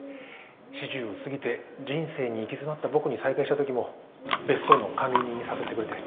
四十を過ぎて人生に行き詰まった僕に再会したときも別荘の管理人に誘ってくれて。